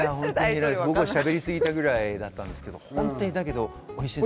僕しゃべり過ぎたぐらいだったんですけど本当においしいです。